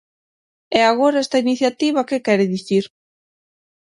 E agora esta iniciativa, ¿que quere dicir?